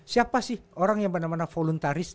siapa sih orang yang mana mana voluntaris